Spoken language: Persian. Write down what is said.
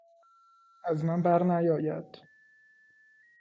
از من بر نیآید